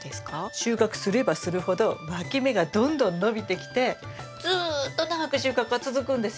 収穫すればするほどわき芽がどんどん伸びてきてずっと長く収穫が続くんですよ。